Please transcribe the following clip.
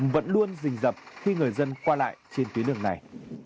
vẫn luôn rình dập khi người dân qua lại trên tuyến đường này